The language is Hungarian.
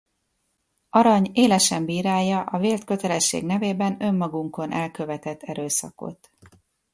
Arany élesen bírálja a vélt kötelesség nevében önmagunkon elkövetett erőszakot.